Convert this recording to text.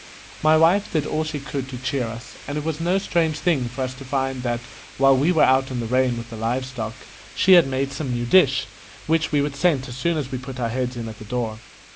My wife did all she could to cheer us, and it was no strange thing for us to find that while we were out in the rain with the live stock, she had made some new dish, which we would scent as soon as we put our heads in at the door.